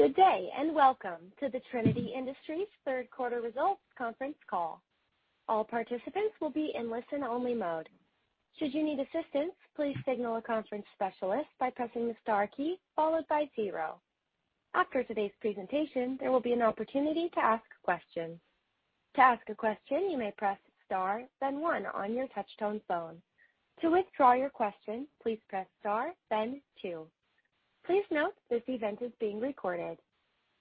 Good day, and welcome to the Trinity Industries Third Quarter Results Conference Call. Our participants will be in listen-only mode. Should you need assistance please signal our conference specialist by pressing star key followed by zero. After today's presentation there will be an opportunity to ask questions. To ask a question you may press star then one on your touchphone. To withdraw your question you may press star then two. Please note the call is being recorded.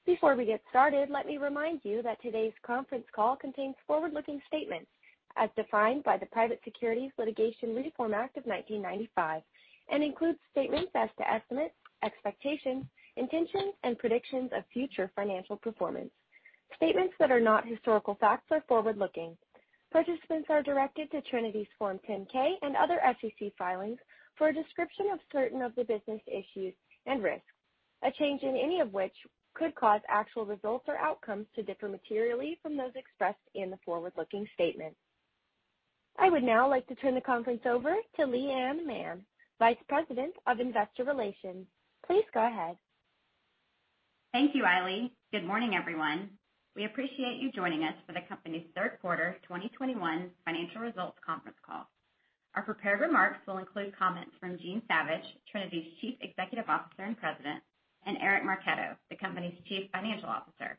Before we get started, let me remind you that today's conference call contains forward-looking statements as defined by the Private Securities Litigation Reform Act of 1995 and includes statements as to estimates, expectations, intentions, and predictions of future financial performance. Statements that are not historical facts are forward looking. Participants are directed to Trinity's Form 10-K and other SEC filings for a description of certain of the business issues and risks, a change in any of which could cause actual results or outcomes to differ materially from those expressed in the forward-looking statements. I would now like to turn the conference over to Leigh Anne Mann, Vice President of Investor Relations. Please go ahead. Thank you, Riley. Good morning, everyone. We appreciate you joining us for the company's third quarter 2021 financial results conference call. Our prepared remarks will include comments from Jean Savage, Trinity's Chief Executive Officer and President, and Eric Marchetto, the company's Chief Financial Officer,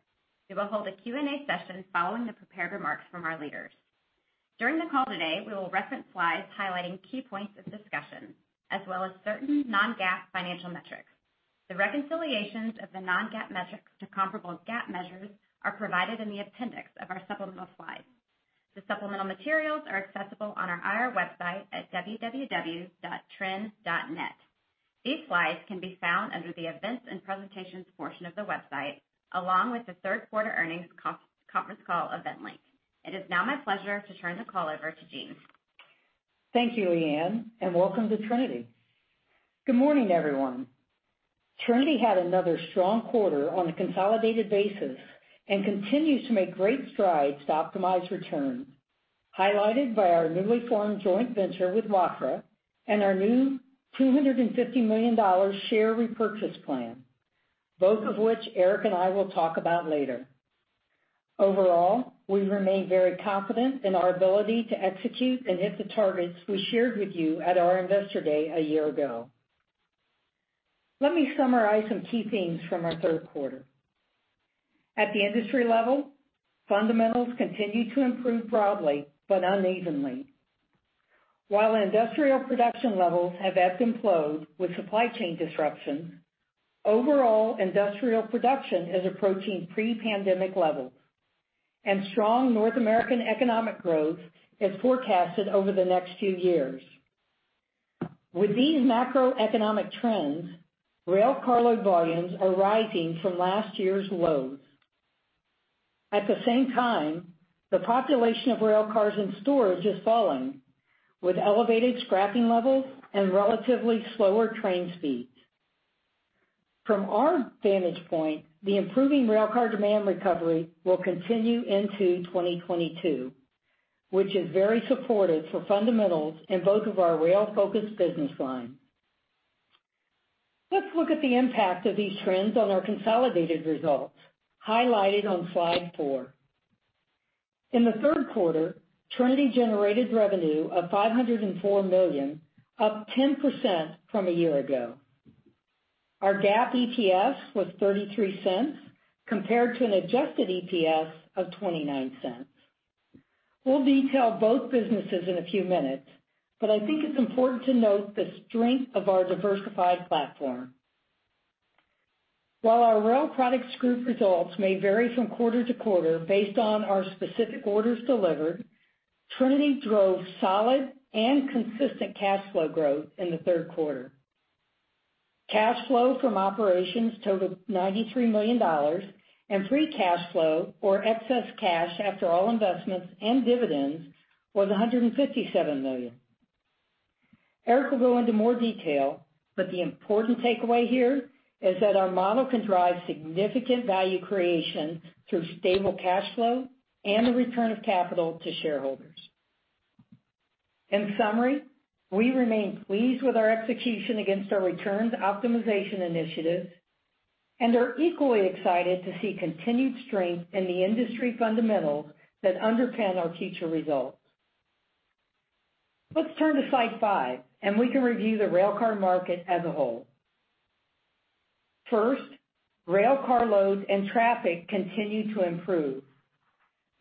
who will hold a Q&A session following the prepared remarks from our leaders. During the call today, we will reference slides highlighting key points of discussion, as well as certain non-GAAP financial metrics. The reconciliations of the non-GAAP metrics to comparable GAAP measures are provided in the appendix of our supplemental slides. The supplemental materials are accessible on our IR website at www.trin.net. These slides can be found under the events and presentations portion of the website, along with the third quarter earnings conference call event link. It is now my pleasure to turn the call over to Jean. Thank you, Leigh Anne, and welcome to Trinity. Good morning, everyone. Trinity had another strong quarter on a consolidated basis and continues to make great strides to optimize returns, highlighted by our newly formed joint venture with Wafra and our new $250 million share repurchase plan, both of which Eric and I will talk about later. Overall, we remain very confident in our ability to execute and hit the targets we shared with you at our Investor Day a year ago. Let me summarize some key themes from our third quarter. At the industry level, fundamentals continue to improve broadly but unevenly. While industrial production levels have ebbed and flowed with supply chain disruptions, overall industrial production is approaching pre-pandemic levels, and strong North American economic growth is forecasted over the next few years. With these macroeconomic trends, rail carload volumes are rising from last year's lows. At the same time, the population of rail cars in storage is falling, with elevated scrapping levels and relatively slower train speeds. From our advantage point, the improving railcar demand recovery will continue into 2022, which is very supportive for fundamentals in both of our rail-focused business lines. Let's look at the impact of these trends on our consolidated results, highlighted on slide four. In the third quarter, Trinity generated revenue of $504 million, up 10% from a year ago. Our GAAP EPS was $0.33, compared to an adjusted EPS of $0.29. We'll detail both businesses in a few minutes, but I think it's important to note the strength of our diversified platform. While our Rail Products Group results may vary from quarter-to-quarter based on our specific orders delivered, Trinity drove solid and consistent cash flow growth in the third quarter. Cash flow from operations totaled $93 million. Free cash flow or excess cash after all investments and dividends was $157 million. Eric will go into more detail. The important takeaway here is that our model can drive significant value creation through stable cash flow and the return of capital to shareholders. In summary, we remain pleased with our execution against our returns optimization initiatives and are equally excited to see continued strength in the industry fundamentals that underpin our future results. Let's turn to slide five. We can review the railcar market as a whole. First, railcar loads and traffic continue to improve.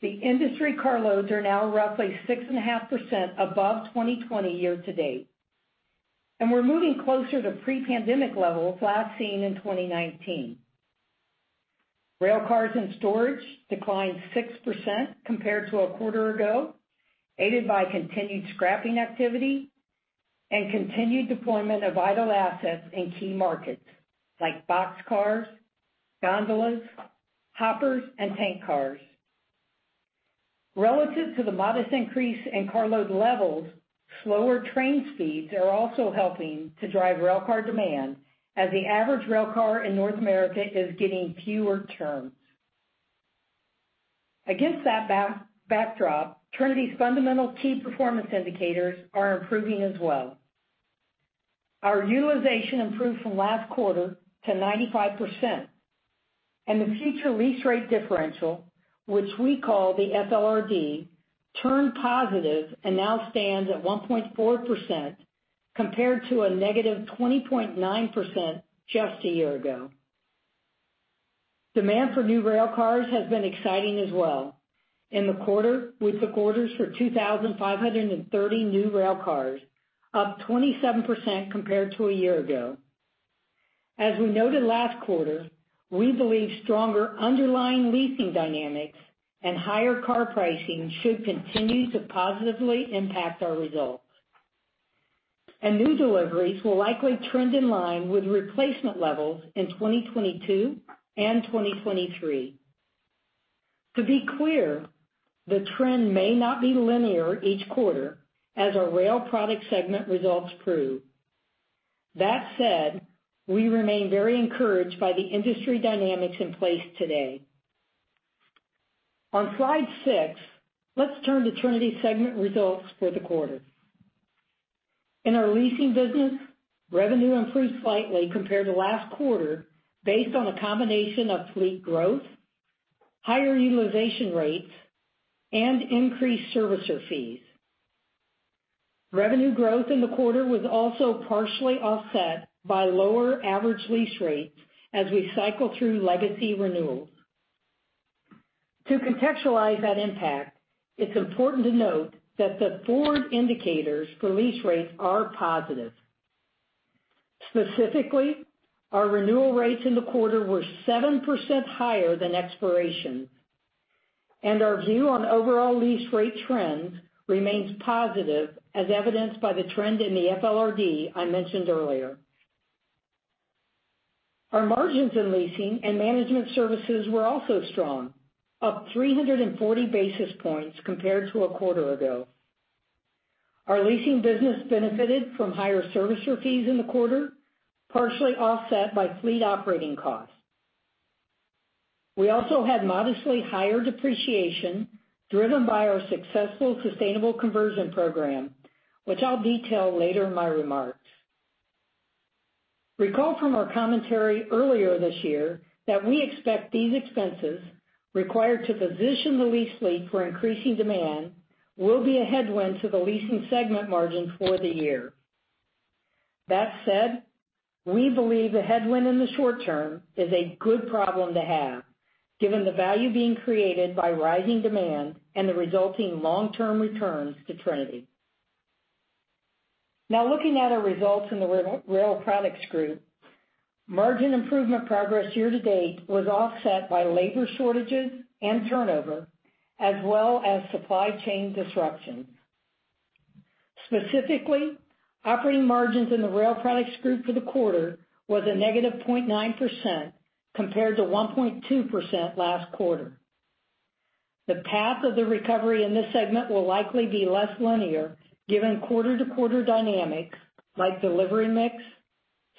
The industry car loads are now roughly 6.5% above 2020 year-to-date. We're moving closer to pre-pandemic levels last seen in 2019. Railcars in storage declined 6% compared to a quarter ago, aided by continued scrapping activity and continued deployment of idle assets in key markets like boxcars, gondolas, hoppers, and tank cars. Relative to the modest increase in car load levels, slower train speeds are also helping to drive railcar demand, as the average railcar in North America is getting fewer turns. Against that backdrop, Trinity's fundamental key performance indicators are improving as well. Our utilization improved from last quarter to 95%, and the future lease rate differential, which we call the FLRD, turned positive and now stands at 1.4%, compared to a -20.9% just a year ago. Demand for new rail cars has been exciting as well. In the quarter, we took orders for 2,530 new rail cars, up 27% compared to a year ago. As we noted last quarter, we believe stronger underlying leasing dynamics and higher car pricing should continue to positively impact our results. New deliveries will likely trend in line with replacement levels in 2022 and 2023. To be clear, the trend may not be linear each quarter, as our rail product segment results prove. That said, we remain very encouraged by the industry dynamics in place today. On slide six, let's turn to Trinity's segment results for the quarter. In our leasing business, revenue improved slightly compared to last quarter based on a combination of fleet growth, higher utilization rates, and increased servicer fees. Revenue growth in the quarter was also partially offset by lower average lease rates as we cycle through legacy renewals. To contextualize that impact, it's important to note that the forward indicators for lease rates are positive. Specifically, our renewal rates in the quarter were 7% higher than expiration, and our view on overall lease rate trends remains positive as evidenced by the trend in the FLRD I mentioned earlier. Our margins in leasing and management services were also strong, up 340 basis points compared to a quarter ago. Our leasing business benefited from higher servicer fees in the quarter, partially offset by fleet operating costs. We also had modestly higher depreciation driven by our successful Sustainable Conversion Program, which I'll detail later in my remarks. Recall from our commentary earlier this year that we expect these expenses, required to position the lease fleet for increasing demand, will be a headwind to the leasing segment margin for the year. That said, we believe the headwind in the short term is a good problem to have, given the value being created by rising demand and the resulting long-term returns to Trinity. Looking at our results in the Rail Products Group, margin improvement progress year-to-date was offset by labor shortages and turnover, as well as supply chain disruptions. Specifically, operating margins in the Rail Products Group for the quarter was a -0.9%, compared to 1.2% last quarter. The path of the recovery in this segment will likely be less linear given quarter-to-quarter dynamics like delivery mix,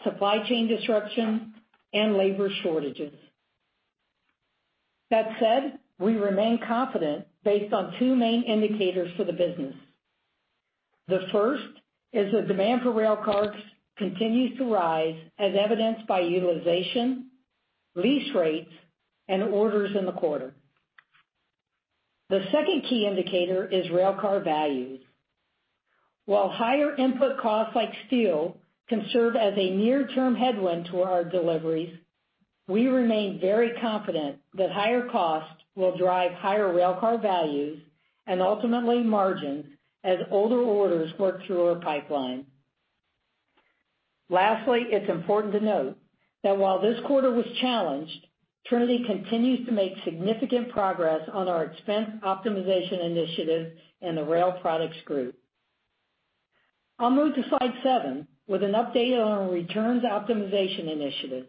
supply chain disruption, and labor shortages. That said, we remain confident based on two main indicators for the business. The first is that demand for rail cars continues to rise as evidenced by utilization, lease rates, and orders in the quarter. The second key indicator is rail car values. While higher input costs like steel can serve as a near-term headwind to our deliveries, we remain very confident that higher costs will drive higher rail car values and ultimately margins as older orders work through our pipeline. It's important to note that while this quarter was challenged, Trinity continues to make significant progress on our expense optimization initiative in the Rail Products group. I'll move to slide seven with an update on our returns optimization initiatives.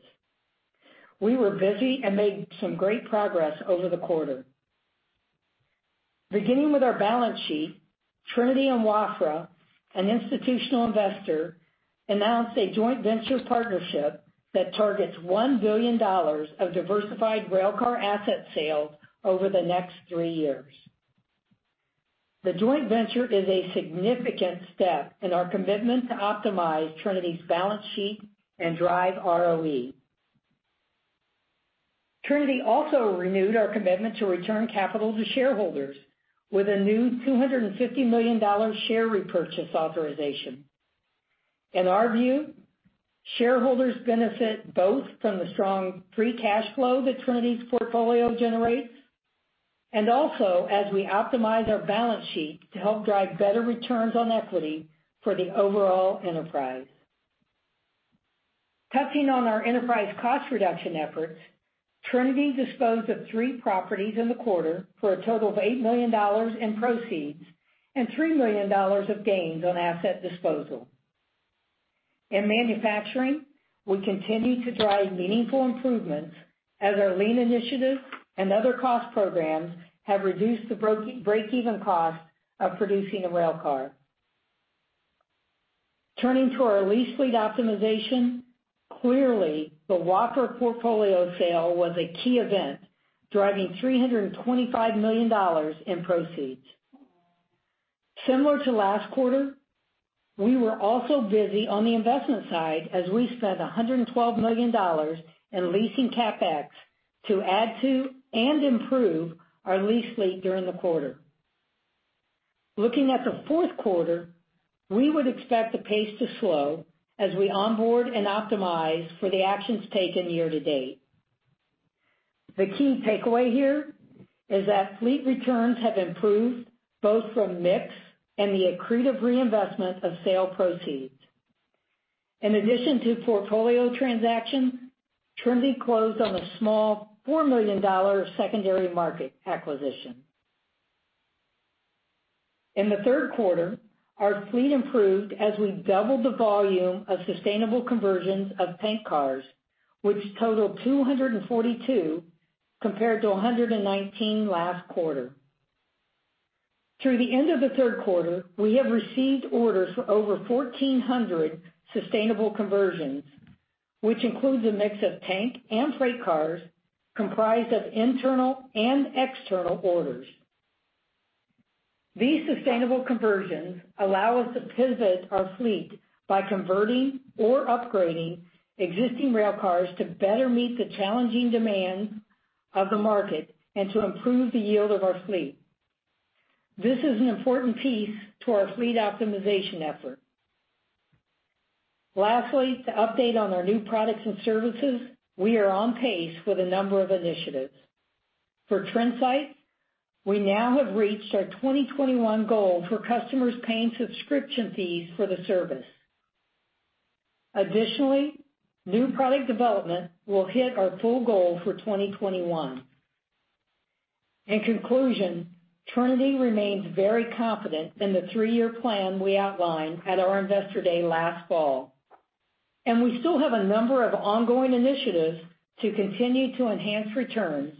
We were busy and made some great progress over the quarter. Beginning with our balance sheet, Trinity and Wafra, an institutional investor, announced a joint venture partnership that targets $1 billion of diversified rail car asset sales over the next three years. The joint venture is a significant step in our commitment to optimize Trinity's balance sheet and drive ROE. Trinity also renewed our commitment to return capital to shareholders with a new $250 million share repurchase authorization. In our view, shareholders benefit both from the strong free cash flow that Trinity's portfolio generates, and also as we optimize our balance sheet to help drive better returns on equity for the overall enterprise. Touching on our enterprise cost reduction efforts, Trinity disposed of three properties in the quarter for a total of $8 million in proceeds and $3 million of gains on asset disposal. In manufacturing, we continue to drive meaningful improvements as our Lean initiatives and other cost programs have reduced the break-even cost of producing a railcar. Turning to our lease fleet optimization, clearly the Wafra portfolio sale was a key event, driving $325 million in proceeds. Similar to last quarter, we were also busy on the investment side as we spent $112 million in leasing CapEx to add to and improve our lease fleet during the quarter. Looking at the fourth quarter, we would expect the pace to slow as we onboard and optimize for the actions taken year-to-date. The key takeaway here is that fleet returns have improved both from mix and the accretive reinvestment of sale proceeds. In addition to portfolio transactions, Trinity closed on a small $4 million secondary market acquisition. In the third quarter, our fleet improved as we doubled the volume of sustainable conversions of tank cars, which totaled 242 compared to 119 last quarter. Through the end of the third quarter, we have received orders for over 1,400 sustainable conversions, which includes a mix of tank and freight cars comprised of internal and external orders. These sustainable conversions allow us to pivot our fleet by converting or upgrading existing railcars to better meet the challenging demands of the market and to improve the yield of our fleet. This is an important piece to our fleet optimization effort. Lastly, to update on our new products and services, we are on pace with a number of initiatives. For Trinsight, we now have reached our 2021 goal for customers paying subscription fees for the service. Additionally, new product development will hit our full goal for 2021. In conclusion, Trinity remains very confident in the three-year plan we outlined at our Investor Day last fall, and we still have a number of ongoing initiatives to continue to enhance returns,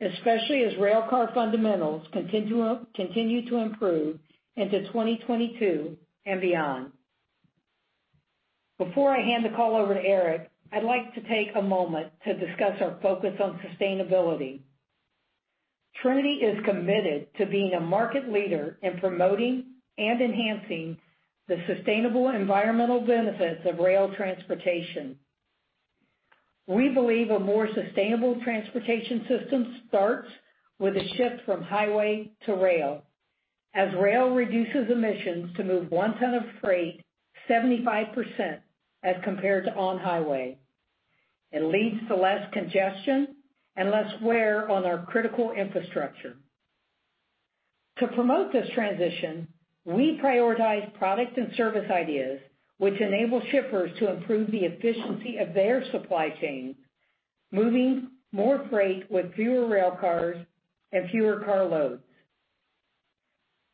especially as railcar fundamentals continue to improve into 2022 and beyond. Before I hand the call over to Eric, I'd like to take a moment to discuss our focus on sustainability. Trinity is committed to being a market leader in promoting and enhancing the sustainable environmental benefits of rail transportation. We believe a more sustainable transportation system starts with a shift from highway to rail, as rail reduces emissions to move one ton of freight 75% as compared to on highway. It leads to less congestion and less wear on our critical infrastructure. To promote this transition, we prioritize product and service ideas which enable shippers to improve the efficiency of their supply chain, moving more freight with fewer railcars and fewer car loads.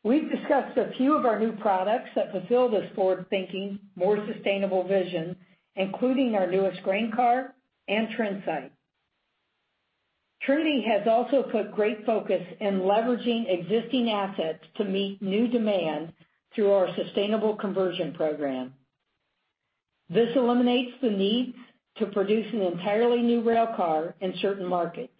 We've discussed a few of our new products that fulfill this forward-thinking, more sustainable vision, including our newest grain car and Trinsight. Trinity has also put great focus in leveraging existing assets to meet new demand through our sustainable conversion program. This eliminates the need to produce an entirely new railcar in certain markets.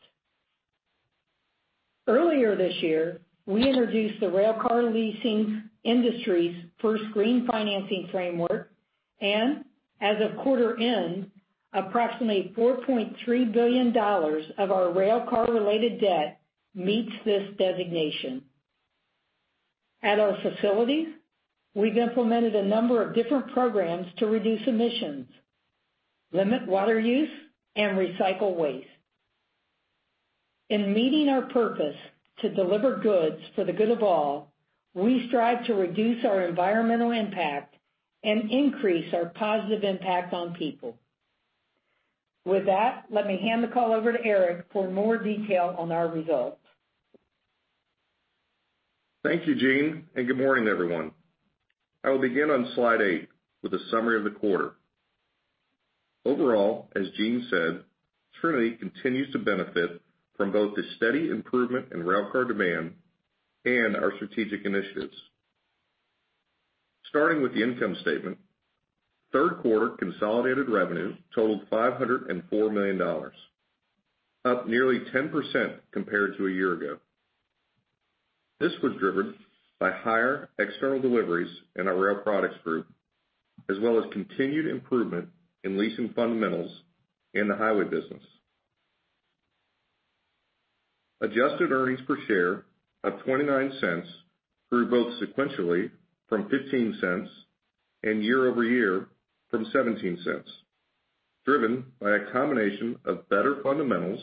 Earlier this year, we introduced the railcar leasing industry's first green financing framework, and as of quarter end, approximately $4.3 billion of our railcar-related debt meets this designation. At our facility, we've implemented a number of different programs to reduce emissions, limit water use, and recycle waste. In meeting our purpose to deliver goods for the good of all, we strive to reduce our environmental impact and increase our positive impact on people. With that, let me hand the call over to Eric for more detail on our results. Thank you, Jean, and good morning, everyone. I will begin on slide 8 with a summary of the quarter. Overall, as Jean said, Trinity continues to benefit from both the steady improvement in railcar demand and our strategic initiatives. Starting with the income statement, third quarter consolidated revenue totaled $504 million, up nearly 10% compared to a year ago. This was driven by higher external deliveries in our Rail Products Group, as well as continued improvement in leasing fundamentals in the highway business. Adjusted earnings per share of $0.29 grew both sequentially from $0.15 and year-over-year from $0.17, driven by a combination of better fundamentals,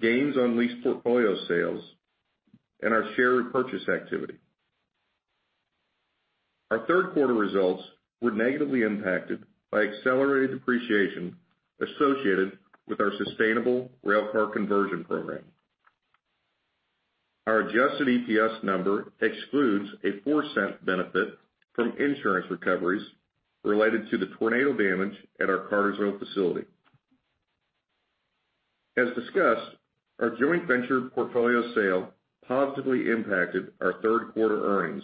gains on lease portfolio sales, and our share repurchase activity. Our third quarter results were negatively impacted by accelerated depreciation associated with our sustainable railcar conversion program. Our adjusted EPS number excludes a $0.04 benefit from insurance recoveries related to the tornado damage at our Cartersville facility. As discussed, our joint venture portfolio sale positively impacted our third quarter earnings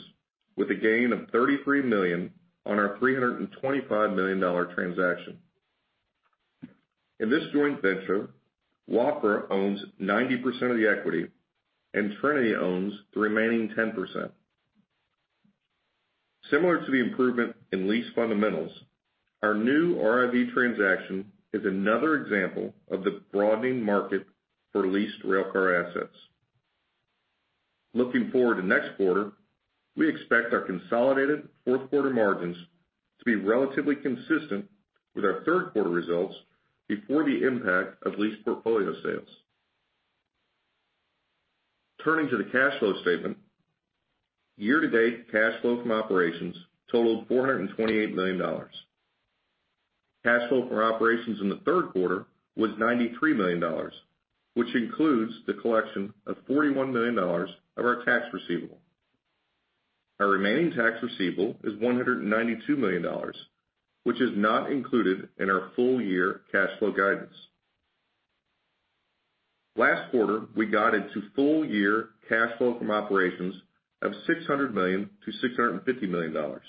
with a gain of $33 million on our $325 million transaction. In this joint venture, Wafra owns 90% of the equity, and Trinity owns the remaining 10%. Similar to the improvement in lease fundamentals, our new RIV transaction is another example of the broadening market for leased railcar assets. Looking forward to next quarter, we expect our consolidated fourth quarter margins to be relatively consistent with our third quarter results before the impact of lease portfolio sales. Turning to the cash flow statement. Year-to-date cash flow from operations totaled $428 million. Cash flow from operations in the third quarter was $93 million, which includes the collection of $41 million of our tax receivable. Our remaining tax receivable is $192 million, which is not included in our full year cash flow guidance. Last quarter, we guided to full year cash flow from operations of $600 million-$650 million.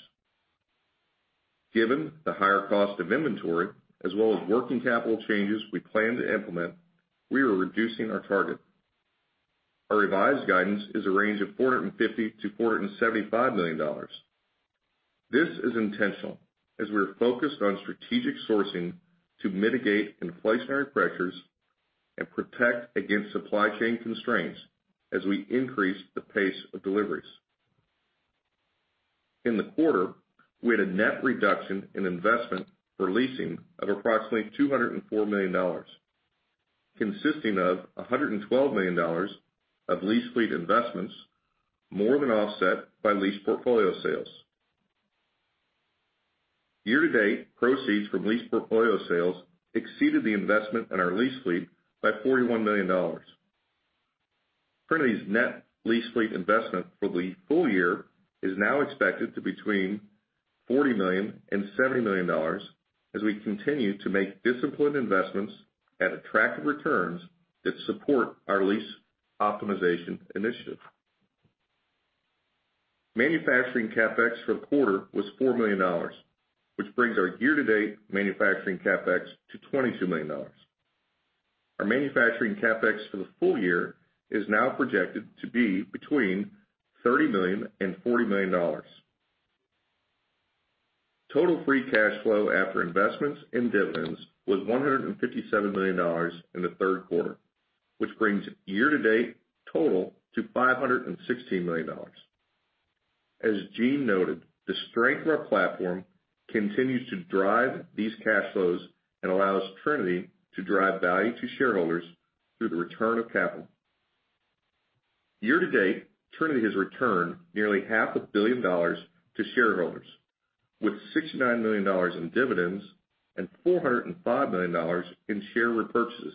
Given the higher cost of inventory as well as working capital changes we plan to implement, we are reducing our target. Our revised guidance is a range of $450 million-$475 million. This is intentional as we are focused on strategic sourcing to mitigate inflationary pressures and protect against supply chain constraints as we increase the pace of deliveries. In the quarter, we had a net reduction in investment for leasing of approximately $204 million, consisting of $112 million of lease fleet investments, more than offset by lease portfolio sales. Year to date, proceeds from lease portfolio sales exceeded the investment in our lease fleet by $41 million. Trinity's net lease fleet investment for the full year is now expected to $40 million-$70 million as we continue to make disciplined investments at attractive returns that support our lease optimization initiative. Manufacturing CapEx for the quarter was $4 million, which brings our year-to-date manufacturing CapEx to $22 million. Our manufacturing CapEx for the full year is now projected to be $30 million and $40 million. Total free cash flow after investments and dividends was $157 million in the third quarter, which brings year-to-date total to $516 million. As Jean Savage noted, the strength of our platform continues to drive these cash flows and allows Trinity to drive value to shareholders through the return of capital. Year-to-date, Trinity has returned nearly half a billion dollars to shareholders, with $69 million in dividends and $405 million in share repurchases,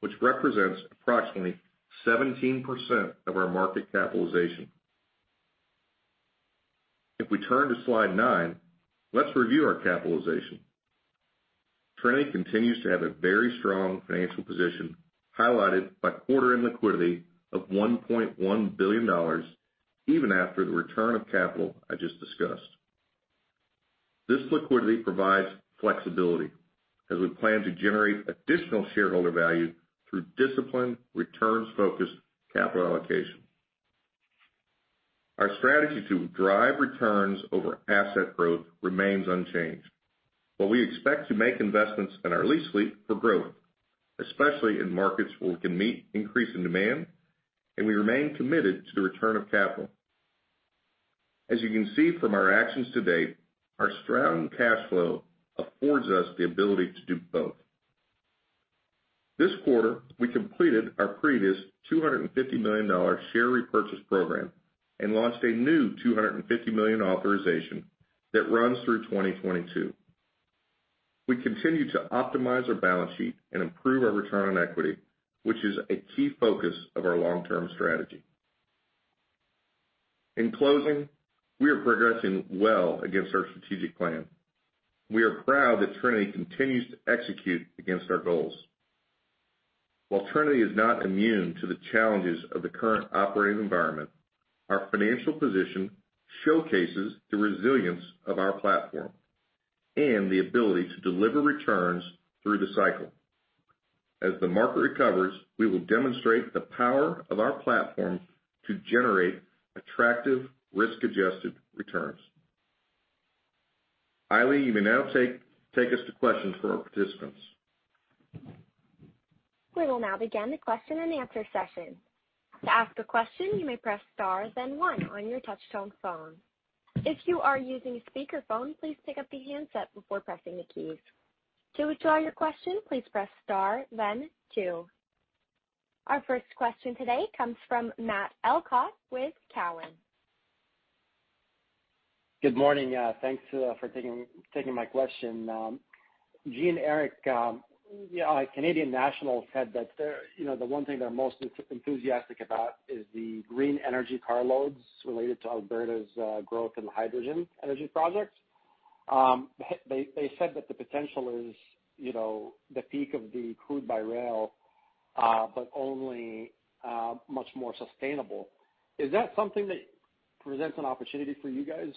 which represents approximately 17% of our market capitalization. If we turn to slide nine, let's review our capitalization. Trinity continues to have a very strong financial position, highlighted by quarter-end liquidity of $1.1 billion, even after the return of capital I just discussed. This liquidity provides flexibility as we plan to generate additional shareholder value through disciplined, returns-focused capital allocation. Our strategy to drive returns over asset growth remains unchanged, but we expect to make investments in our lease fleet for growth, especially in markets where we can meet increasing demand, and we remain committed to the return of capital. As you can see from our actions to date, our strong cash flow affords us the ability to do both. This quarter, we completed our previous $250 million share repurchase program and launched a new $250 million authorization that runs through 2022. We continue to optimize our balance sheet and improve our return on equity, which is a key focus of our long-term strategy. In closing, we are progressing well against our strategic plan. We are proud that Trinity continues to execute against our goals. While Trinity is not immune to the challenges of the current operating environment, our financial position showcases the resilience of our platform and the ability to deliver returns through the cycle. As the market recovers, we will demonstrate the power of our platform to generate attractive risk-adjusted returns. Eileen, you may now take us to questions from our participants. We will now begin the question-and answer-session. To ask a question you may press star then one on your telephone. If you are using a speaker phone please take up a handset before pressing the key. To Withdraw your question press star then two. Our first question today comes from Matt Elkott with Cowen. Good morning. Thanks for taking my question. Jean, Eric, Canadian National said that the one thing they're most enthusiastic about is the green energy car loads related to Alberta's growth in the hydrogen energy projects They said that the potential is the peak of the crude by rail, but only much more sustainable. Is that something that presents an opportunity for you guys?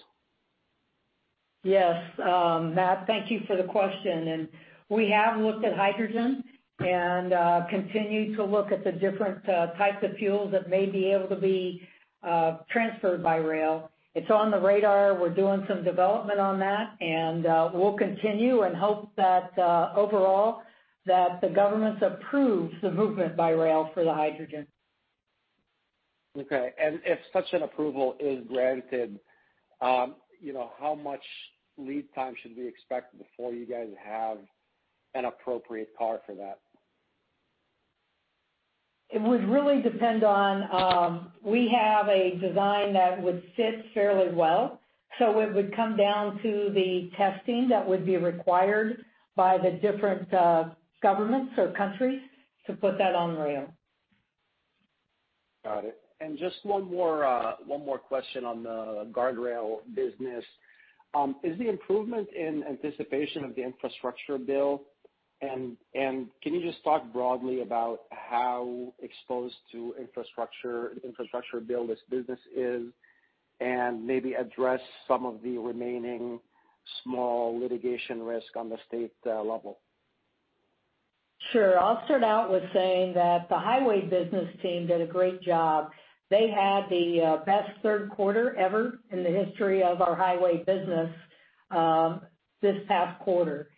Yes, Matt, thank you for the question. We have looked at hydrogen and continue to look at the different types of fuels that may be able to be transferred by rail. It's on the radar. We're doing some development on that, and we'll continue and hope that overall, that the governments approve the movement by rail for the hydrogen. Okay. If such an approval is granted, how much lead time should we expect before you guys have an appropriate car for that? It would really depend. We have a design that would fit fairly well. It would come down to the testing that would be required by the different governments or countries to put that on the rail. Got it. Just one more question on the guardrail business. Is the improvement in anticipation of the infrastructure bill? Can you just talk broadly about how exposed to infrastructure build this business is, and maybe address some of the remaining small litigation risk on the state level? Sure. I'll start out with saying that the highway business team did a great job. They had the best third quarter ever in the history of our highway business this past quarter.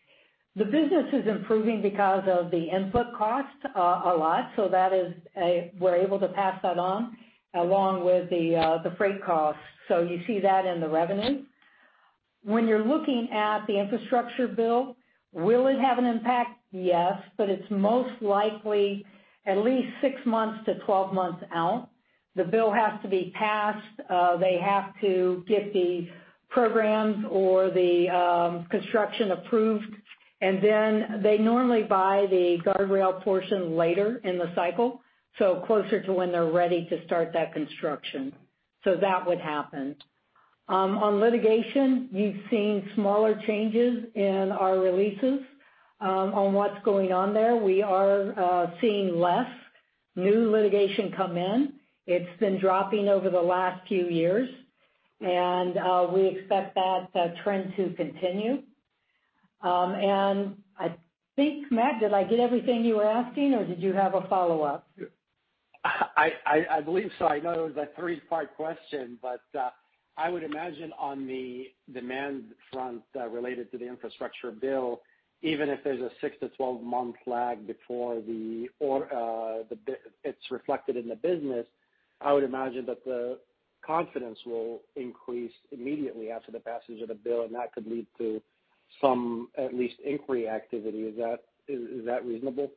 The business is improving because of the input costs a lot. We're able to pass that on along with the freight costs. You see that in the revenue. When you're looking at the infrastructure bill, will it have an impact? Yes, but it's most likely at least six months to 12 months out. The bill has to be passed. They have to get the programs or the construction approved, and then they normally buy the guardrail portion later in the cycle, so closer to when they're ready to start that construction. That would happen. On litigation, you've seen smaller changes in our releases on what's going on there. We are seeing less new litigation come in. It's been dropping over the last few years, and we expect that trend to continue. I think, Matt, did I get everything you were asking or did you have a follow-up? I believe so. I know it was a three-part question, but I would imagine on the demand front related to the infrastructure bill, even if there's a six to 12-month lag before it's reflected in the business, I would imagine that the confidence will increase immediately after the passage of the bill, and that could lead to some at least inquiry activity. Is that reasonable?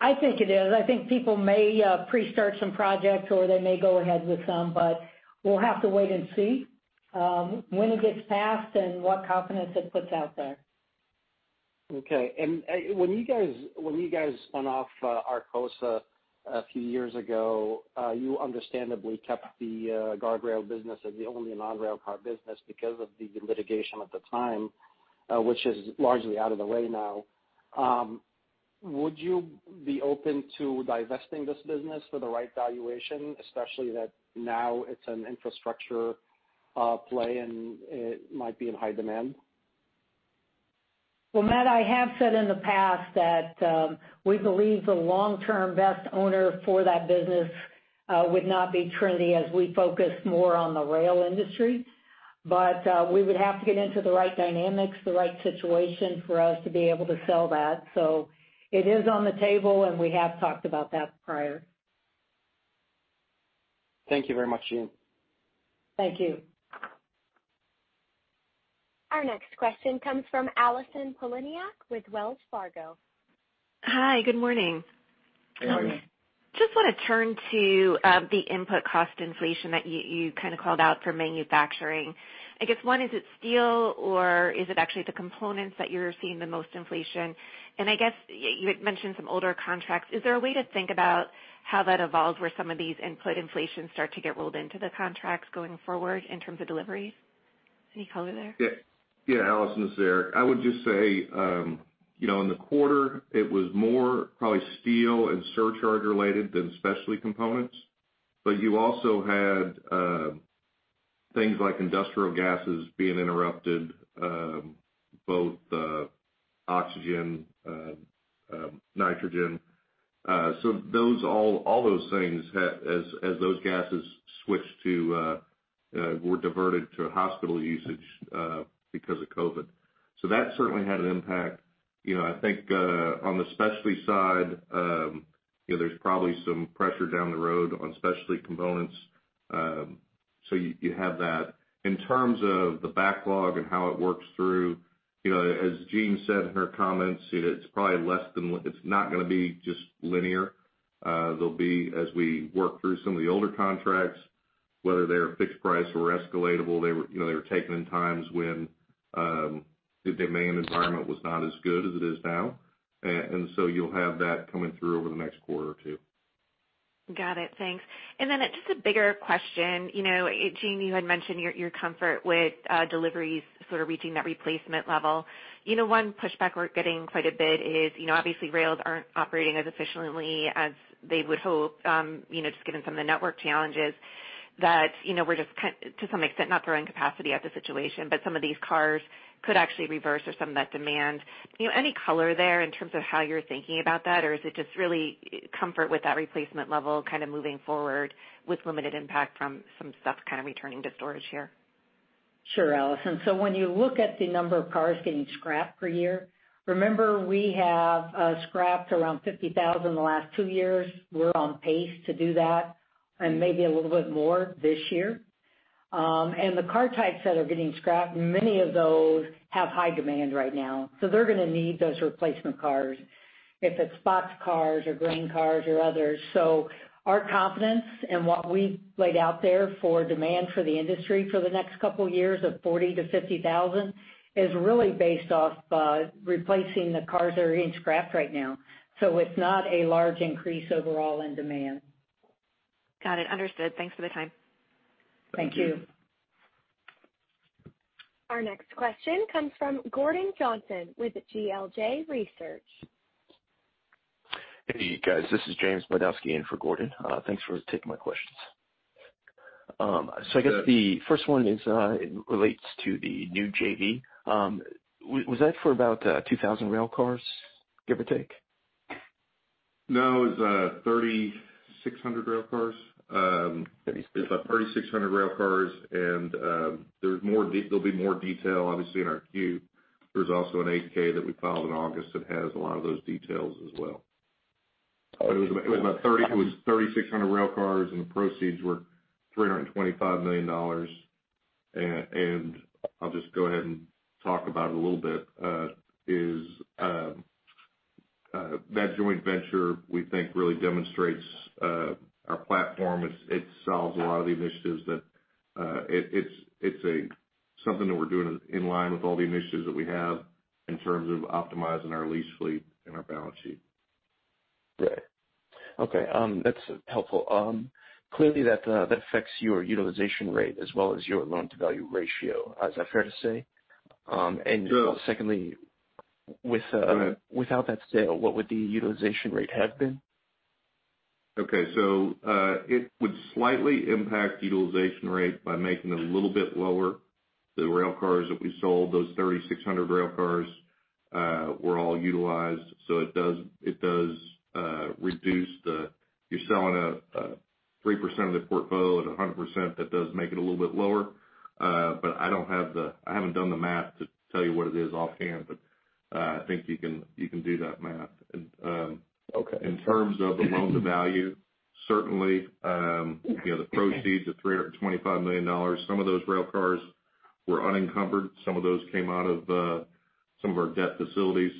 I think it is. I think people may pre-start some projects or they may go ahead with some, but we'll have to wait and see when it gets passed and what confidence it puts out there. Okay. When you guys spun off Arcosa a few years ago, you understandably kept the guardrail business as the only non-railcar business because of the litigation at the time, which is largely out of the way now. Would you be open to divesting this business for the right valuation, especially that now it's an infrastructure play and it might be in high demand? Well, Matt, I have said in the past that we believe the long-term best owner for that business would not be Trinity as we focus more on the rail industry. We would have to get into the right dynamics, the right situation for us to be able to sell that. It is on the table, and we have talked about that prior. Thank you very much, Jean. Thank you. Our next question comes from Allison Poliniak with Wells Fargo. Hi, good morning. Good morning. Hey, Allison. Just want to turn to the input cost inflation that you called out for manufacturing. I guess one, is it steel or is it actually the components that you're seeing the most inflation? I guess you had mentioned some older contracts. Is there a way to think about how that evolves, where some of these input inflations start to get rolled into the contracts going forward in terms of deliveries? Any color there? Yeah, Allison, it's Eric. I would just say, in the quarter it was more probably steel and surcharge related than specialty components. You also had things like industrial gases being interrupted, both oxygen, nitrogen. All those things as those gases were diverted to hospital usage because of COVID. That certainly had an impact. I think on the specialty side there's probably some pressure down the road on specialty components, so you have that. In terms of the backlog and how it works through, as Jean said in her comments, it's not going to be just linear they'll be as we walk through some of the older contracts whether they are fixed price or escalatable take times when the demand was not as good as it is now. You'll have that coming through over the next quarter or two. Got it. Thanks. Then just a bigger question. Jean, you had mentioned your comfort with deliveries sort of reaching that replacement level. One pushback we're getting quite a bit is, obviously, rails aren't operating as efficiently as they would hope, just given some of the network challenges that we're just, to some extent, not throwing capacity at the situation, but some of these cars could actually reverse or some of that demand. Any color there in terms of how you're thinking about that, or is it just really comfort with that replacement level kind of moving forward with limited impact from some stuff kind of returning to storage here? Sure, Allison. When you look at the number of cars getting scrapped per year, remember we have scrapped around 50,000 in the last two years. We're on pace to do that and maybe a little bit more this year. The car types that are getting scrapped, many of those have high demand right now, so they're going to need those replacement cars, if it's box cars or grain cars or others. Our confidence and what we laid out there for demand for the industry for the next couple of years of 40,000-50,000 is really based off replacing the cars that are getting scrapped right now. It's not a large increase overall in demand. Got it. Understood. Thanks for the time. Thank you. Our next question comes from Gordon Johnson with GLJ Research. Hey, guys. This is James Bardowski in for Gordon. Thanks for taking my questions. I guess the first one relates to the new JV. Was that for about 2,000 railcars, give or take? No, it was 3,600 railcars. 3,600. It's 3,600 railcars, and there'll be more detail, obviously, in our Q. There's also an 8-K that we filed in August that has a lot of those details as well. Okay. It was 3,600 railcars, and the proceeds were $325 million. I'll just go ahead and talk about it a little bit, is that joint venture, we think, really demonstrates our platform. It solves a lot of the initiatives. It's something that we're doing in line with all the initiatives that we have in terms of optimizing our lease fleet and our balance sheet. Right. Okay. That's helpful. Clearly, that affects your utilization rate as well as your loan-to-value ratio. Is that fair to say? Yeah. Secondly, without that sale, what would the utilization rate have been? Okay. It would slightly impact utilization rate by making it a little bit lower. The railcars that we sold, those 3,600 railcars, were all utilized. It does reduce, you're selling out 3% of the portfolio at 100%, that does make it a little bit lower. I haven't done the math to tell you what it is offhand, but I think you can do that math. Okay. In terms of the loan-to-value, certainly the proceeds of $325 million, some of those railcars were unencumbered. Some of those came out of some of our debt facilities.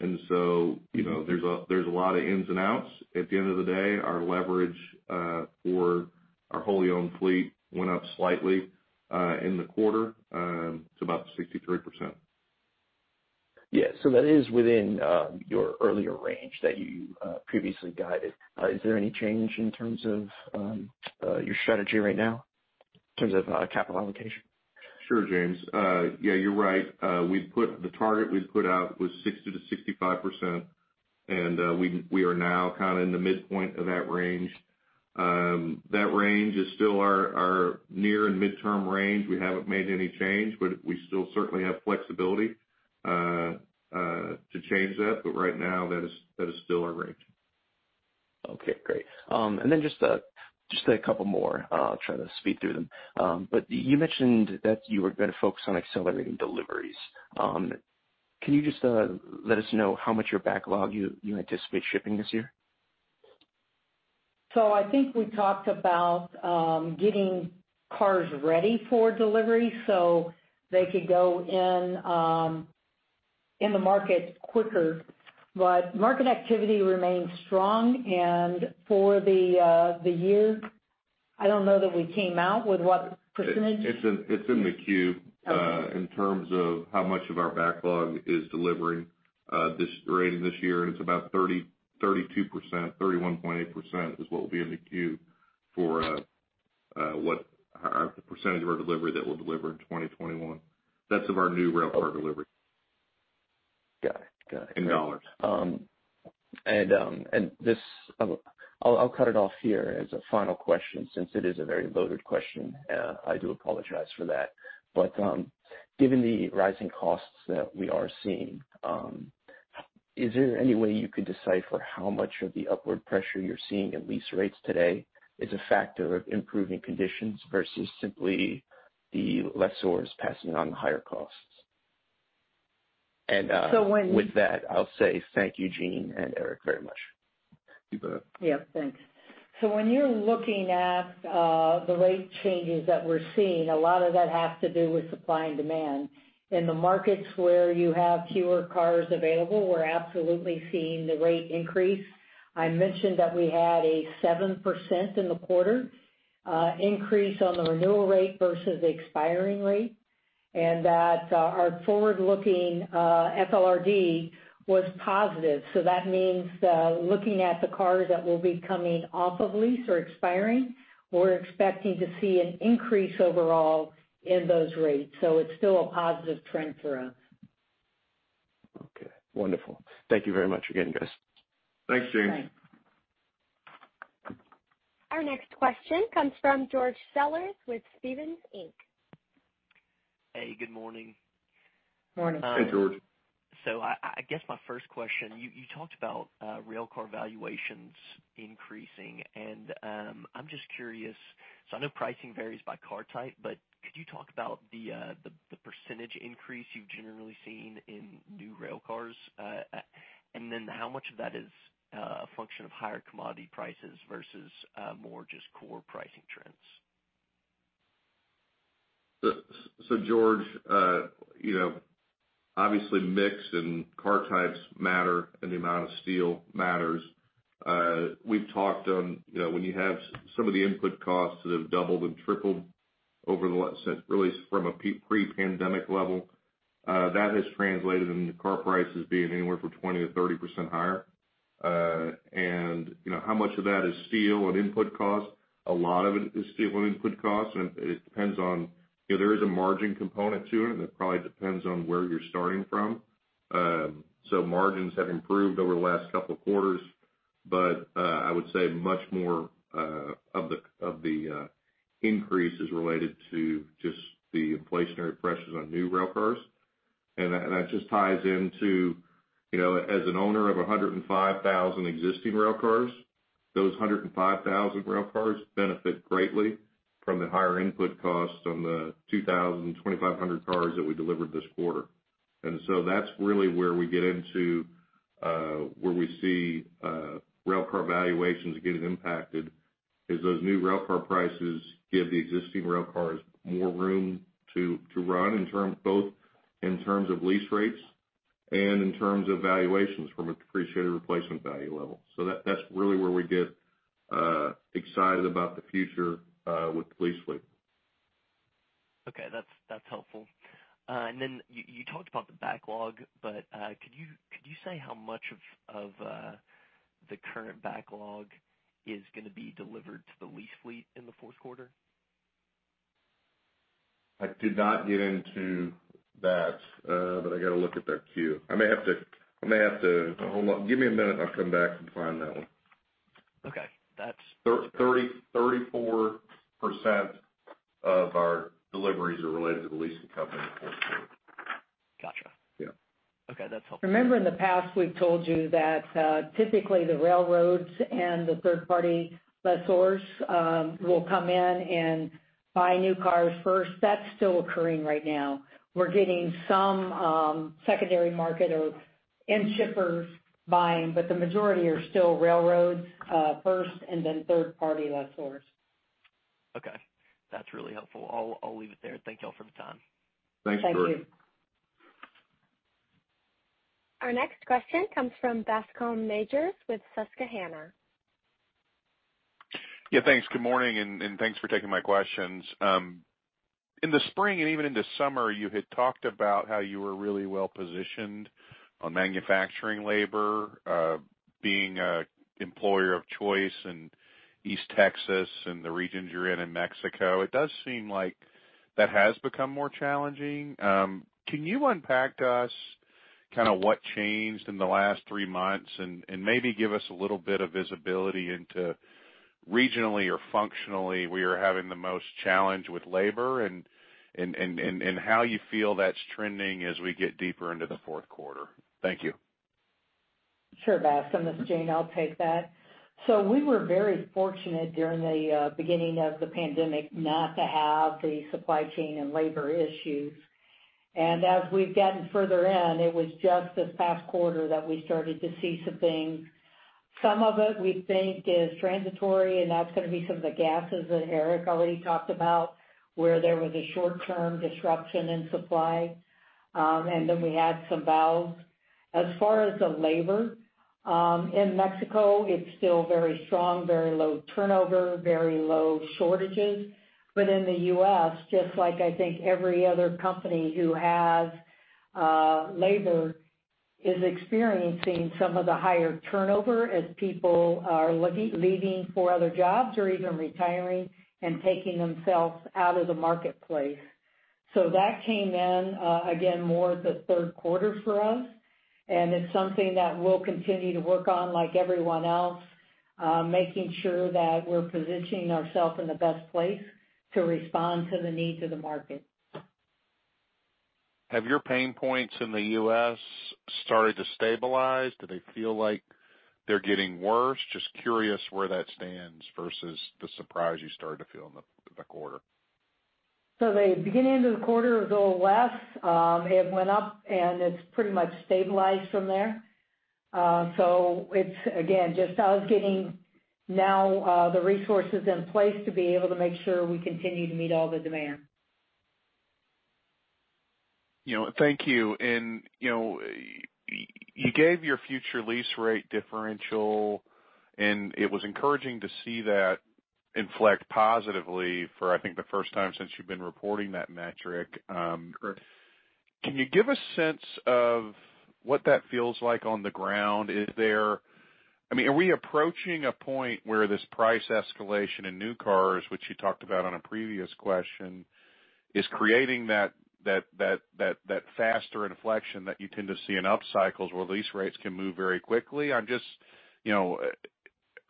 There's a lot of ins and outs. At the end of the day, our leverage for our wholly owned fleet went up slightly in the quarter to about 63%. Yeah. That is within your earlier range that you previously guided. Is there any change in terms of your strategy right now, in terms of capital allocation? Sure, James. Yeah, you're right. The target we put out was 60%-65%, and we are now kind of in the midpoint of that range. That range is still our near and mid-term range. We haven't made any change, but we still certainly have flexibility to change that. Right now, that is still our range. Okay, great. Just a couple more. I'll try to speed through them. You mentioned that you were going to focus on accelerating deliveries. Can you just let us know how much of your backlog you anticipate shipping this year? I think we talked about getting cars ready for delivery so they could go in the market quicker. Market activity remains strong, and for the year, I don't know that we came out with what percentage. It's in the Q. Okay In terms of how much of our backlog is delivering this year, it's about 32%, 31.8% is what will be in the Q for what percentage of our delivery that we'll deliver in 2021. That's of our new railcar delivery. Got it. In dollars. I'll cut it off here as a final question, since it is a very loaded question. I do apologize for that. Given the rising costs that we are seeing, is there any way you could decipher how much of the upward pressure you're seeing in lease rates today is a factor of improving conditions versus simply the lessors passing on the higher costs? So when- With that, I'll say thank you, Jean and Eric, very much. You bet. Yeah. Thanks. When you're looking at the rate changes that we're seeing, a lot of that has to do with supply and demand. In the markets where you have fewer cars available, we're absolutely seeing the rate increase. I mentioned that we had a 7% in the quarter increase on the renewal rate versus the expiring rate. And that our forward-looking FLRD was positive. That means looking at the cars that will be coming off of lease or expiring, we're expecting to see an increase overall in those rates. It's still a positive trend for us. Okay, wonderful. Thank you very much again, guys. Thanks, James. Thanks. Our next question comes from George Sellers with Stephens Inc. Hey, good morning. Morning. Hey, George. I guess my first question. You talked about railcar valuations increasing. I am just curious. I know pricing varies by car type, but could you talk about the percentage increase you have generally seen in new railcars? How much of that is a function of higher commodity prices versus more just core pricing trends? George, obviously mix and car types matter, and the amount of steel matters. We've talked on when you have some of the input costs that have doubled and tripled from a pre-pandemic level, that has translated into car prices being anywhere from 20%-30% higher. How much of that is steel and input cost? A lot of it is steel and input cost, and there is a margin component to it, and it probably depends on where you're starting from. Margins have improved over the last couple of quarters, but I would say much more of the increase is related to just the inflationary pressures on new railcars. That just ties into, as an owner of 105,000 existing railcars, those 105,000 railcars benefit greatly from the higher input costs on the 2,000, 2,500 cars that we delivered this quarter. That's really where we see railcar valuations getting impacted, is those new railcar prices give the existing railcars more room to run, both in terms of lease rates and in terms of valuations from a depreciated replacement value level. That's really where we get excited about the future with the lease fleet. Okay. That's helpful. You talked about the backlog, but could you say how much of the current backlog is going to be delivered to the lease fleet in the fourth quarter? I did not get into that, but I got to look at that queue. Give me a minute and I'll come back and find that one. Okay. 34% of our deliveries are related to the leasing company in the fourth quarter. Got you. Yeah. Okay. That's helpful. Remember in the past, we've told you that typically the railroads and the third-party lessors will come in and buy new cars first. That's still occurring right now. We're getting some secondary market or end shippers buying, but the majority are still railroads first and then third-party lessors. Okay. That's really helpful. I'll leave it there. Thank you all for the time. Thanks, George. Thank you. Our next question comes from Bascome Majors with Susquehanna. Yeah, thanks. Good morning, and thanks for taking my questions. In the spring, and even in the summer, you had talked about how you were really well-positioned on manufacturing labor, being an employer of choice in East Texas and the regions you're in in Mexico. It does seem like that has become more challenging. Can you unpack to us what changed in the last three months, and maybe give us a little bit of visibility into regionally or functionally where you're having the most challenge with labor and how you feel that's trending as we get deeper into the fourth quarter? Thank you. Sure, Bascome. This is Jean. I'll take that. We were very fortunate during the beginning of the pandemic not to have the supply chain and labor issues. As we've gotten further in, it was just this past quarter that we started to see some things. Some of it, we think, is transitory, and that's going to be some of the gases that Eric already talked about, where there was a short-term disruption in supply, and then we had some valves. As far as the labor, in Mexico, it's still very strong, very low turnover, very low shortages. In the U.S., just like I think every other company who has labor, is experiencing some of the higher turnover as people are leaving for other jobs or even retiring and taking themselves out of the marketplace. That came in, again, more the third quarter for us, and it's something that we'll continue to work on like everyone else, making sure that we're positioning ourself in the best place to respond to the needs of the market. Have your pain points in the U.S. started to stabilize? Do they feel like they're getting worse? Just curious where that stands versus the surprise you started to feel in the quarter. The beginning of the quarter was a little less. It went up, and it's pretty much stabilized from there. It's, again, just us getting now the resources in place to be able to make sure we continue to meet all the demand. Thank you. You gave your Future Lease Rate Differential, and it was encouraging to see that inflect positively for, I think, the first time since you've been reporting that metric. Correct. Can you give a sense of what that feels like on the ground? Are we approaching a point where this price escalation in new cars, which you talked about on a previous question, is creating that faster inflection that you tend to see in up cycles where lease rates can move very quickly?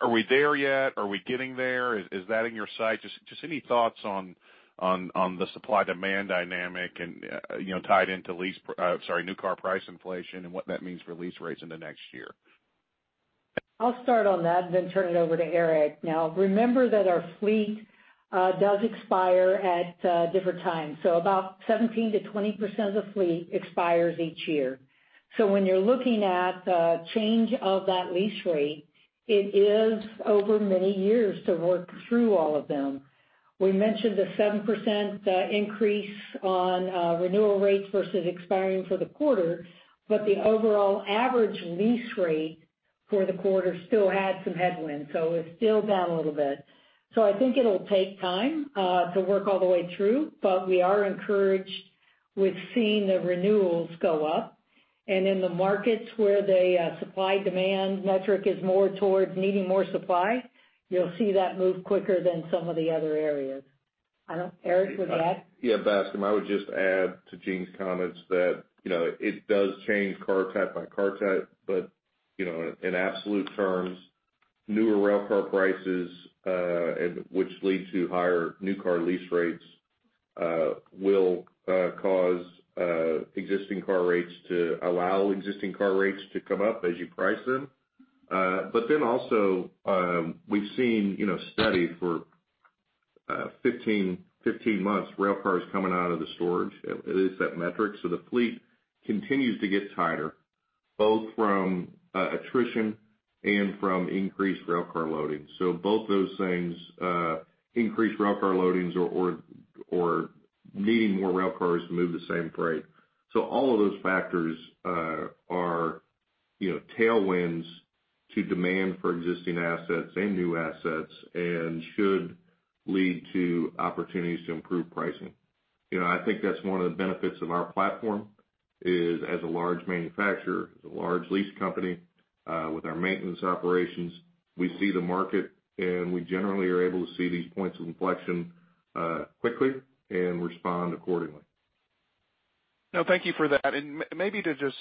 Are we there yet? Are we getting there? Is that in your sight? Just any thoughts on the supply-demand dynamic tied into new car price inflation and what that means for lease rates in the next year. I'll start on that, then turn it over to Eric. Remember that our fleet does expire at different times. About 17%-20% of the fleet expires each year. When you're looking at the change of that lease rate, it is over many years to work through all of them. We mentioned the 7% increase on renewal rates versus expiring for the quarter, but the overall average lease rate for the quarter still had some headwinds, so it's still down a little bit. I think it'll take time to work all the way through, but we are encouraged with seeing the renewals go up. In the markets where the supply-demand metric is more towards needing more supply, you'll see that move quicker than some of the other areas. Eric, would you add? Bascome, I would just add to Jean's comments that it does change car type by car type, but in absolute terms, newer rail car prices, which lead to higher new car lease rates, will cause existing car rates to come up as you price them. Also, we've seen steady for 15 months, rail cars coming out of the storage. It is that metric. The fleet continues to get tighter, both from attrition and from increased rail car loading. Both those things, increased rail car loadings or needing more rail cars to move the same freight. All of those factors are tailwinds to demand for existing assets and new assets and should lead to opportunities to improve pricing. I think that's one of the benefits of our platform, is as a large manufacturer, as a large lease company, with our maintenance operations, we see the market, and we generally are able to see these points of inflection quickly and respond accordingly. No, thank you for that. Maybe to just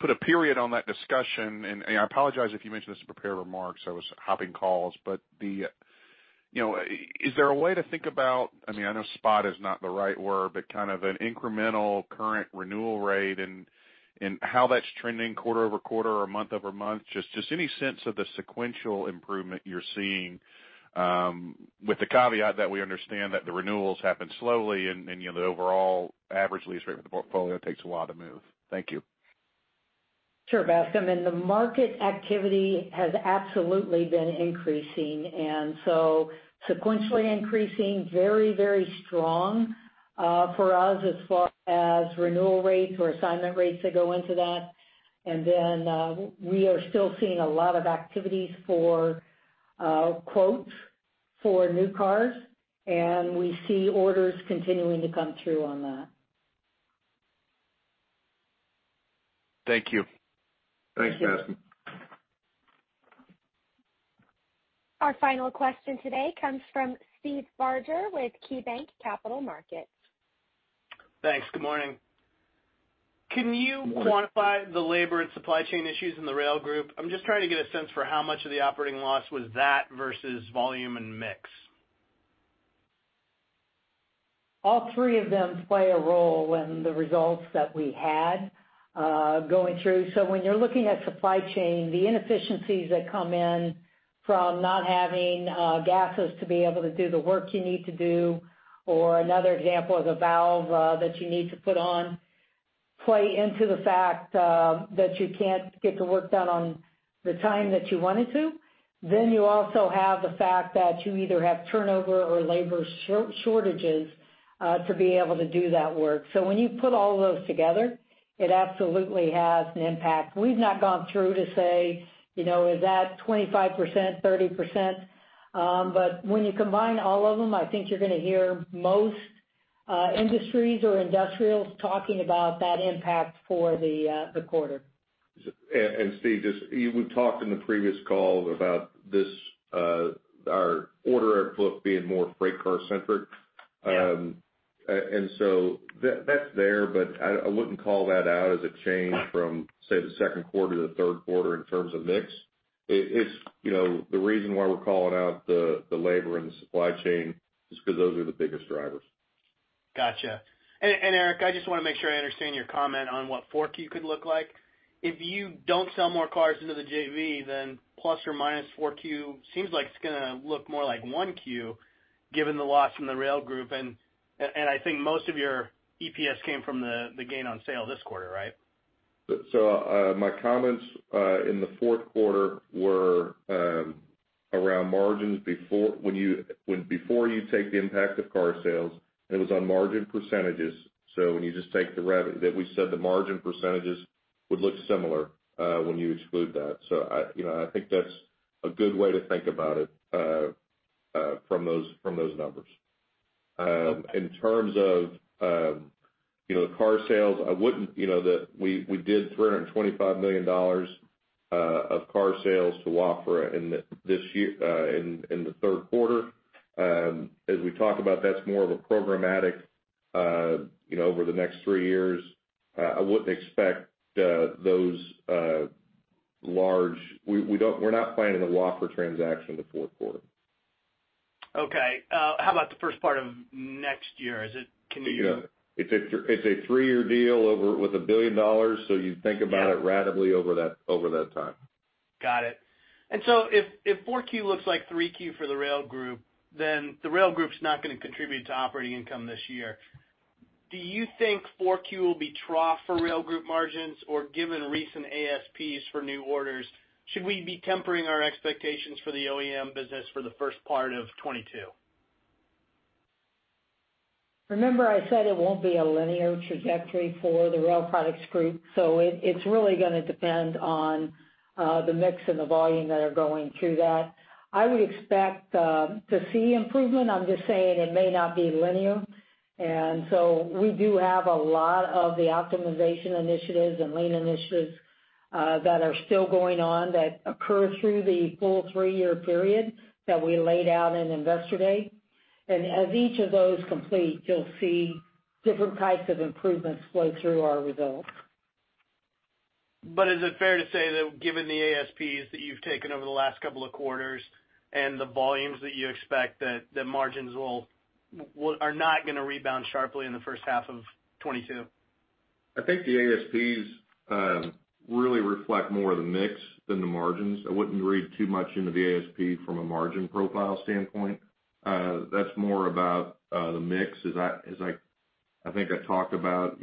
put a period on that discussion, and I apologize if you mentioned this in prepared remarks, I was hopping calls. Is there a way to think about, I know spot is not the right word, but kind of an incremental current renewal rate and how that's trending quarter-over-quarter or month-over-month? Just any sense of the sequential improvement you're seeing, with the caveat that we understand that the renewals happen slowly and the overall average lease rate for the portfolio takes a while to move. Thank you. Sure, Bascome, and the market activity has absolutely been increasing, and so sequentially increasing very, very strong for us as far as renewal rates or assignment rates that go into that. Then we are still seeing a lot of activities for quotes for new cars, and we see orders continuing to come through on that. Thank you. Thanks, Bascome. Our final question today comes from Steve Barger with KeyBanc Capital Markets. Thanks. Good morning. Can you quantify the labor and supply chain issues in the Rail Group? I'm just trying to get a sense for how much of the operating loss was that versus volume and mix. All three of them play a role in the results that we had going through. When you're looking at supply chain, the inefficiencies that come in from not having gases to be able to do the work you need to do, or another example is a valve that you need to put on, play into the fact that you can't get the work done on the time that you wanted to. You also have the fact that you either have turnover or labor shortages to be able to do that work. When you put all of those together, it absolutely has an impact. We've not gone through to say, is that 25%, 30%? When you combine all of them, I think you're going to hear most industries or industrials talking about that impact for the quarter. Steve, we've talked in the previous call about our order outlook being more freight car centric. That's there, but I wouldn't call that out as a change from, say, the second quarter to the third quarter in terms of mix. The reason why we're calling out the labor and the supply chain is because those are the biggest drivers. Got you. Eric, I just want to make sure I understand your comment on what 4Q could look like. If you don't sell more cars into the JV, then plus or minus 4Q seems like it's going to look more like 1Q, given the loss from the Rail Group, and I think most of your EPS came from the gain on sale this quarter, right? My comments in the fourth quarter were around margins before you take the impact of car sales, and it was on margin percentages. When you just take that we said the margin percentages would look similar when you exclude that. I think that's a good way to think about it from those numbers. In terms of the car sales, we did $325 million of car sales to Wafra in the third quarter. As we talk about, that's more of a programmatic over the next three years. I wouldn't expect We're not planning a Wafra transaction in the fourth quarter. Okay. How about the first part of next year? It's a three-year deal with $1 billion. You think about it ratably over that time. Got it. If 4Q looks like 3Q for the rail group, then the rail group's not going to contribute to operating income this year. Do you think 4Q will be trough for rail group margins? Given recent ASPs for new orders, should we be tempering our expectations for the OEM business for the first part of 2022? Remember I said it won't be a linear trajectory for the Rail Products Group, so it's really going to depend on the mix and the volume that are going through that. I would expect to see improvement. I'm just saying it may not be linear. We do have a lot of the optimization initiatives and Lean initiatives that are still going on, that occur through the full three-year period that we laid out in Investor Day. As each of those complete, you'll see different types of improvements flow through our results. Is it fair to say that given the ASPs that you've taken over the last couple of quarters and the volumes that you expect, that the margins are not going to rebound sharply in the first half of 2022? I think the ASPs really reflect more the mix than the margins. I wouldn't read too much into the ASP from a margin profile standpoint. That's more about the mix, as I think I talked about,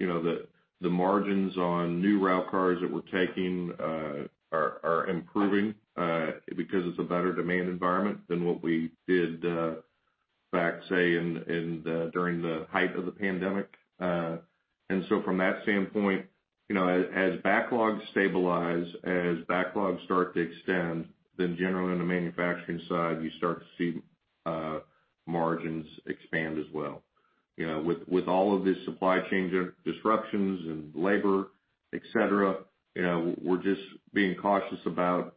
the margins on new railcars that we're taking are improving because it's a better demand environment than what we did back, say, during the height of the pandemic. From that standpoint, as backlogs stabilize, as backlogs start to extend, generally on the manufacturing side, you start to see margins expand as well. With all of this supply chain disruptions and labor, et cetera, we're just being cautious about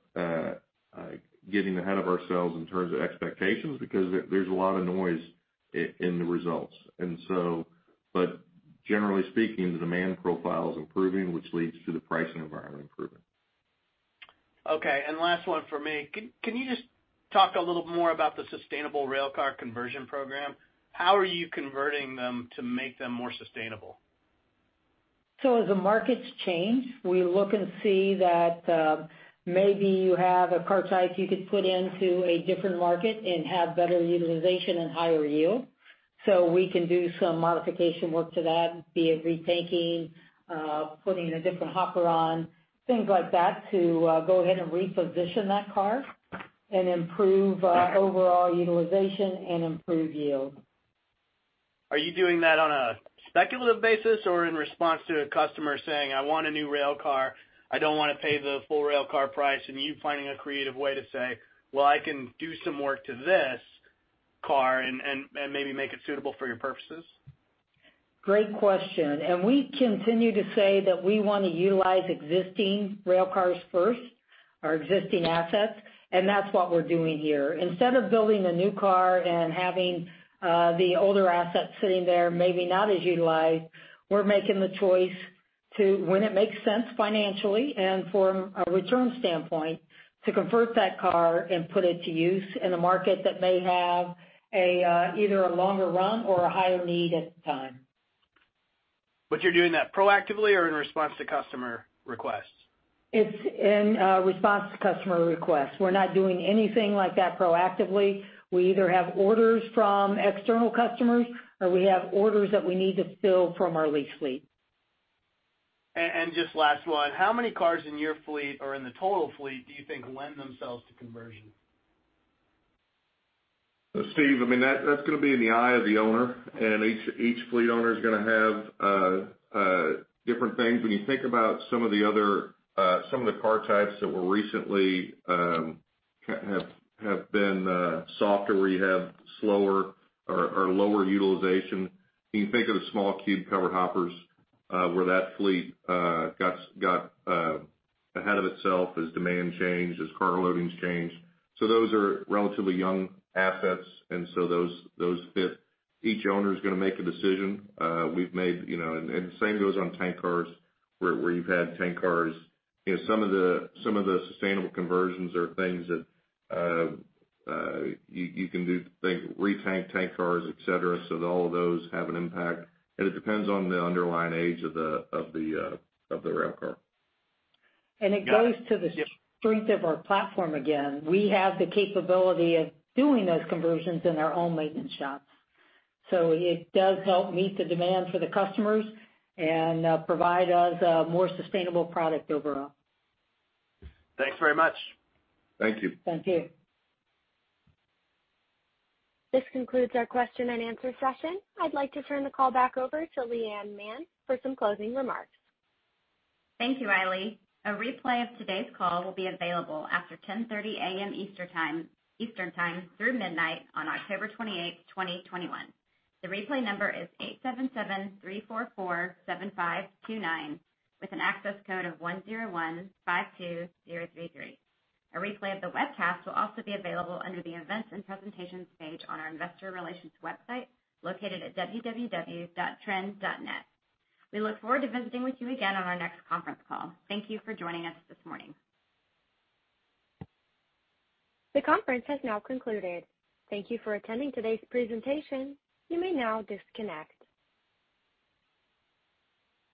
getting ahead of ourselves in terms of expectations because there's a lot of noise in the results. Generally speaking, the demand profile is improving, which leads to the pricing environment improving. Okay, last one from me. Can you just talk a little more about the sustainable railcar conversion program? How are you converting them to make them more sustainable? As the markets change, we look and see that maybe you have a car type you could put into a different market and have better utilization and higher yield. We can do some modification work to that, be it repainting, putting a different hopper on, things like that to go ahead and reposition that car and improve overall utilization and improve yield. Are you doing that on a speculative basis or in response to a customer saying, "I want a new rail car. I don't want to pay the full rail car price," and you finding a creative way to say, "Well, I can do some work to this car and maybe make it suitable for your purposes? Great question. We continue to say that we want to utilize existing railcars first, our existing assets, and that's what we're doing here. Instead of building a new car and having the older asset sitting there, maybe not as utilized, we're making the choice to, when it makes sense financially and from a return standpoint, to convert that car and put it to use in a market that may have either a longer run or a higher need at the time. You're doing that proactively or in response to customer requests? It's in response to customer requests. We're not doing anything like that proactively. We either have orders from external customers or we have orders that we need to fill from our lease fleet. Just last one, how many cars in your fleet or in the total fleet do you think lend themselves to conversion? Steve, that's going to be in the eye of the owner, and each fleet owner is going to have different things. When you think about some of the car types that were recently have been softer, where you have slower or lower utilization, you can think of the small cube covered hoppers where that fleet got ahead of itself as demand changed, as car loadings changed. Those are relatively young assets, those fit. Each owner is going to make a decision. The same goes on tank cars, where you've had tank cars. Some of the sustainable conversions are things that you can do, think retank tank cars, et cetera, all of those have an impact. It depends on the underlying age of the rail car. It goes to the strength of our platform again. We have the capability of doing those conversions in our own maintenance shops. It does help meet the demand for the customers and provide us a more sustainable product overall. Thanks very much. Thank you. Thank you. This concludes our question and answer session. I'd like to turn the call back over to Leigh Anne Mann for some closing remarks. Thank you, Riley. A replay of today's call will be available after 10:30 A.M. Eastern Time through midnight on October 28th, 2021. The replay number is 877-344-7529 with an access code of 10152033. A replay of the webcast will also be available under the Events and Presentations page on our investor relations website located at www.trin.net. We look forward to visiting with you again on our next conference call. Thank you for joining us this morning. The conference has now concluded. Thank you for attending today's presentation. You may now disconnect.